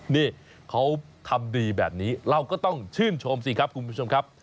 นี่เขาทำดีแบบนี้เราก็ต้องชื่นชมสิครับคุณผู้ชมครับ